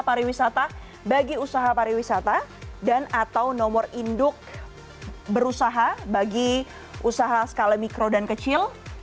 pariwisata bagi usaha pariwisata dan atau nomor induk berusaha bagi usaha skala mikro dan kecil